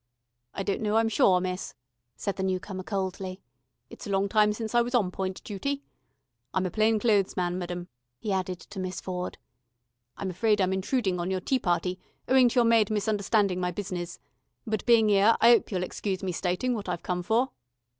"I don't know I'm sure, miss," said the newcomer coldly. "It's a long time since I was on point duty. I'm a plain clothes man, meddem," he added to Miss Ford. "I'm afraid I'm intruding on your tea party, owing to your maid misunderstanding my business. But being 'ere, I 'ope you'll excuse me stating what I've come for."